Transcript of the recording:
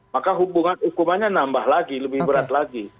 maka hubungan hukumannya nambah lagi lebih berat lagi